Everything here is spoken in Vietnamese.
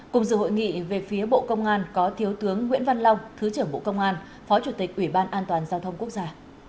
cùng dự hội nghị về phía bộ công an có thiếu tướng nguyễn văn long thứ trưởng bộ công an phó chủ tịch ủy ban an toàn giao thông quốc gia